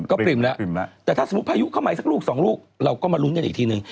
ก็ปริ่มแล้วแต่ถ้าสมมุติพายุเข้ามาอีกสักลูกสองลูกเราก็มาลุ้นกันอีกทีนึง